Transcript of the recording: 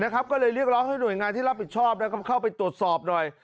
ก็เลยเรียกร้องให้หน่วยงานที่รับผิดชอบเข้าไปตรวจสอบหน่อย